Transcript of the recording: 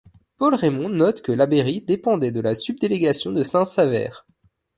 Paul Raymond note que Labeyrie dépendait de la subdélégation de Saint-Sever.